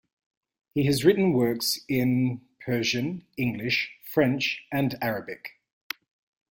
He has written works in Persian, English, French, and Arabic.